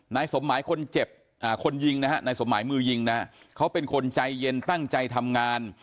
นายสมหมายคนเจ็บคนยิงนะฮะนายสมหมายมือยิงนะฮะเขาเป็นคนใจเย็นตั้งใจทำงาน